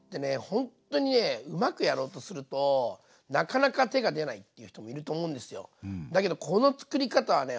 ほんっとにねうまくやろうとするとなかなか手が出ないっていう人もいると思うんですよ。だけどこの作り方はね